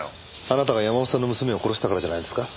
あなたが山本さんの娘を殺したからじゃないですか？